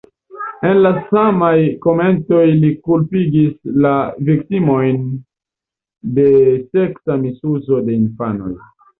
En la samaj komentoj li kulpigis la viktimojn de seksa misuzo de infanoj.